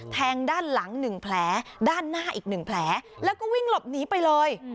ทางด้านหลัง๑แผลด้านหน้าอีกหนึ่งแผลแล้วก็วิ่งหลบหนีไปเลย